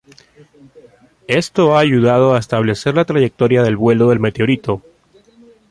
Esto ha ayudado a establecer la trayectoria del vuelo del meteorito.